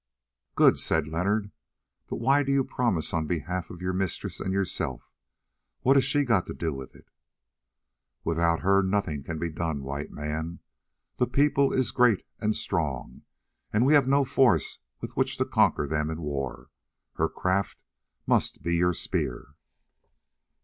"Good," said Leonard, "but why do you promise on behalf of your mistress and yourself? What has she got to do with it?" "Without her nothing can be done, White Man. This people is great and strong, and we have no force with which to conquer them in war. Here craft must be your spear."